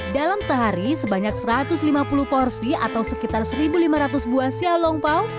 dalam sehari sebanyak satu ratus lima puluh porsi atau sekitar satu lima ratus buah xia longpao